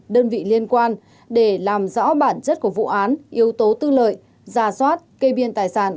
đơn vị liên quan để làm rõ bản chất của vụ án yếu tố tư lợi ra soát kê biên tài sản